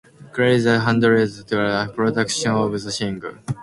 Kyle Lee handled the production of the single.